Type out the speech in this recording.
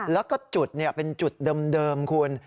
แล้วก็จุดเป็นจุดเดิมคุณ